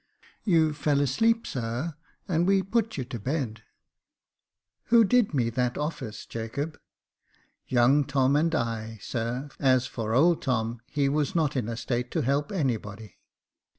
You fell asleep, sir, and we put you to bed." Who did me that office, Jacob ?"" Young Tom and I, sir j as for old Tom, he was not in a state to help anybody."